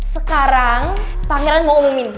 sekarang pangeran mau umumin